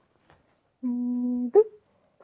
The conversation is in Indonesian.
ini lembaga baik ya enak baik